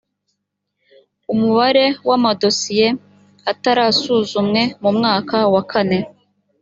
umubare w amadosiye atarasuzumwe mu mwaka wa kane